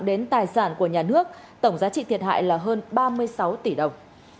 đến tài sản của nhà nước tổng giá trị thiệt hại là hơn ba mươi sáu tỷ đồng